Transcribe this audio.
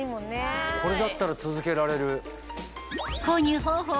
これだったら続けられる。